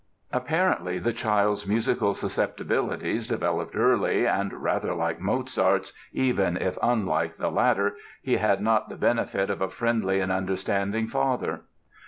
] Apparently the child's musical susceptibilities developed early and rather like Mozart's, even if unlike the latter, he had not the benefit of a friendly and understanding father.